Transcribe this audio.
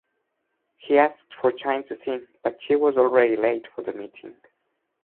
He asked for time to think, but she was already late for the meeting.